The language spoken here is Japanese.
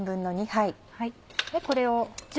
これを。